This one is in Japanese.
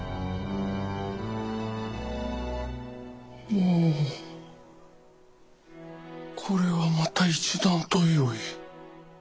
ほうこれはまた一段とよい。